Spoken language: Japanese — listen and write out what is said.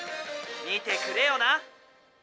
見てくれよな」。